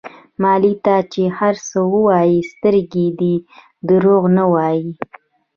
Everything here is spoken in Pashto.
مالې ته چې هر څه ووايې سترګې دې دروغ نه وايي.